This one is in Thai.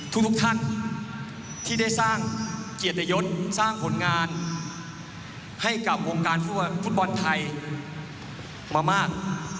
ทุกท่านที่ได้สร้างเกียรติยศสร้างผลงานให้กับวงการฟุตบอลไทยมามาก